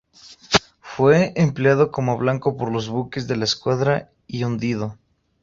Fue empleado como blanco por los buques de la Escuadra y hundido.